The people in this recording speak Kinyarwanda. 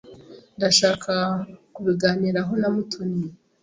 Ndashaka kubiganiraho na Mutoni.